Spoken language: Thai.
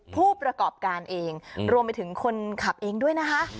ผู้ประกอบการเองรวมไปถึงคนขับเองด้วยนะคะ